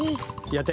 やって。